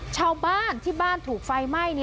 ชาวบ้านที่บ้านถูกไฟไหม้